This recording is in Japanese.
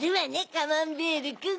カマンベールくん。